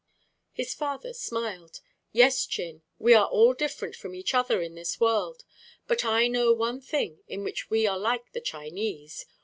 His father smiled. "Yes, Chin, we are all different from each other in this world. But I know one thing in which we are like the Chinese.